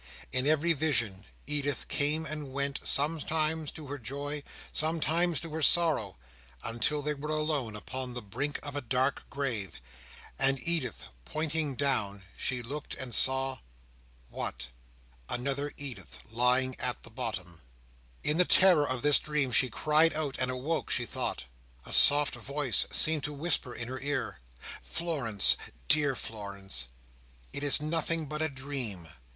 In every vision, Edith came and went, sometimes to her joy, sometimes to her sorrow, until they were alone upon the brink of a dark grave, and Edith pointing down, she looked and saw—what!—another Edith lying at the bottom. In the terror of this dream, she cried out and awoke, she thought. A soft voice seemed to whisper in her ear, "Florence, dear Florence, it is nothing but a dream!"